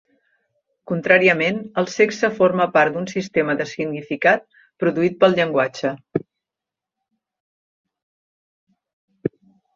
Contràriament, el sexe forma part d"un sistema de significat, produït pel llenguatge.